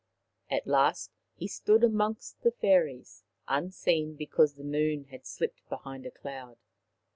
At last he stood amongst the fairies, unseen because the moon had slipped behind a cloud.